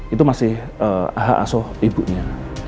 itu masih hak asuh ibunya